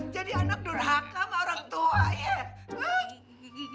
jadi anak dorhaka sama orang tua ya